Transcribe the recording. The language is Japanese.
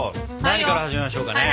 何から始めましょうかね？